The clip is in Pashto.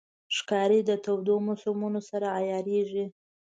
ښکاري د تودو موسمونو سره عیارېږي.